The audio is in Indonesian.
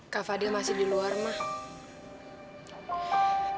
kak fadil masih di luar mah